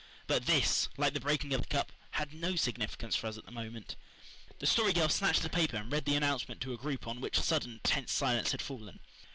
But this, like the breaking of the cup, had no significance for us at the moment. The Story Girl snatched the paper and read the announcement to a group on which sudden, tense silence had fallen.